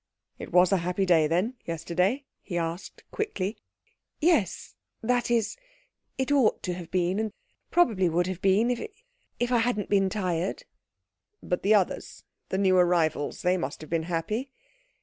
"It was a happy day, then, yesterday?" he asked quickly. "Yes that is, it ought to have been, and probably would have been if if I hadn't been tired." "But the others the new arrivals they must have been happy?"